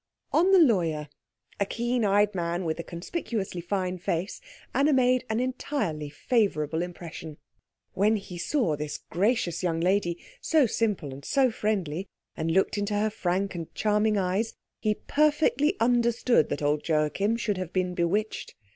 On the lawyer, a keen eyed man with a conspicuously fine face, Anna made an entirely favourable impression. When he saw this gracious young lady, so simple and so friendly, and looked into her frank and charming eyes, he perfectly understood that old Joachim should have been bewitched.